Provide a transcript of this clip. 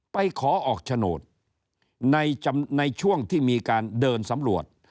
ไปขอออกโฉนดในช่วงที่มีการเดินสำรวจ